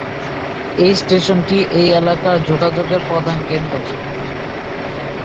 এই স্টেশনটি এই এলাকার যোগাযোগের প্রধান কেন্দ্র।